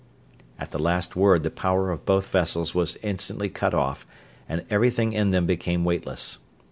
At the last word the power of both vessels was instantly cut off and everything in them became weightless.